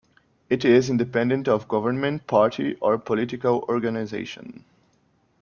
It is independent of government, party, or political organization.